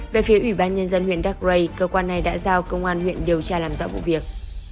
về phía ủy ban nhân dân huyện đắk rây cơ quan này đã giao công an huyện điều tra làm rõ vụ việc